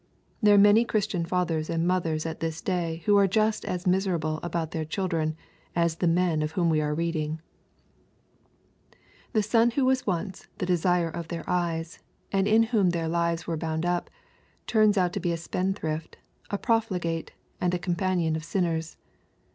There are many Christian fathers and mothers at this day who are jiist as miserable about their children as the men of whom we are reading. ^ The son who was once the desire of their eyes," and in whom their lives were bound up, turns out a spendthrift, a profligate, and a companion of sinners.